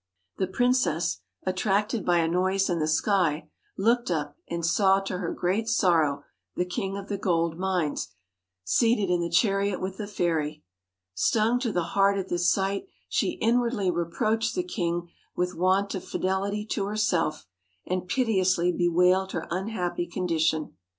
The princess, attracted by a noise in the sky, looked up, and saw to her great sorrow the King of the Gold Mines seated in the chariot with the fairy. Stung to the heart at this sight she in wardly reproached the king with want of fidelity to herself, and piteously bewailed her unhappy condition.